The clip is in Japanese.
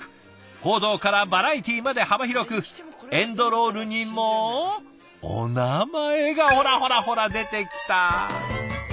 報道からバラエティーまで幅広くエンドロールにもお名前がほらほらほら出てきた。